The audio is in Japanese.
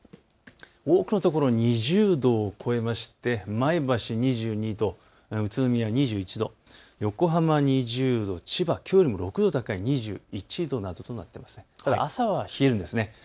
多くの所２０度を超えまして前橋２２度、宇都宮２１度、横浜２０度、千葉きょうよりも６度高い２１度、ただ朝は冷えるんです。